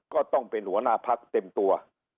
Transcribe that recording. ก็ต้องเป็นหัวหน้าพักเต็มตัว